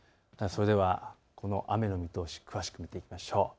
それではこの雨の見通し、詳しく見ていきましょう。